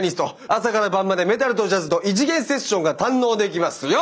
朝から晩までメタルとジャズと異次元セッションが堪能できますよ！